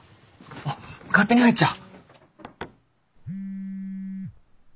あっ勝手に入っちゃ。